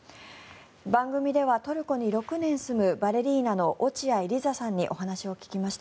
番組ではトルコに６年住むバレリーナの落合リザさんにお話を聞きました。